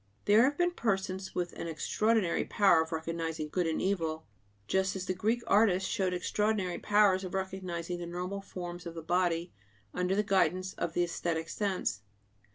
There have been persons with an extraordinary power of recognizing good and evil, just as the Greek artists showed extraordinary powers of recognizing the normal forms of the body under the guidance of the æsthetic sense.